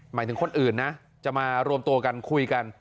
หมายถึงคนอื่นนะจะมารวมตัวกันคุยกัน